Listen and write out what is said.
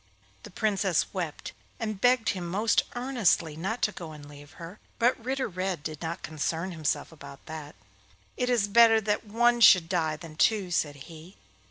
The Princess wept, and begged him most earnestly not to go and leave her; but Ritter Red did not concern himself about that. 'It is better that one should die than two,' said he.